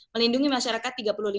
melindungi masyarakat tiga puluh lima